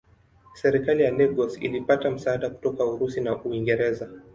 Serikali ya Lagos ilipata msaada kutoka Urusi na Uingereza.